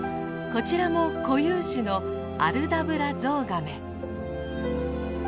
こちらも固有種のアルダブラゾウガメ。